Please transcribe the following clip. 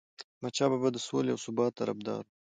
احمدشاه بابا د سولې او ثبات طرفدار و.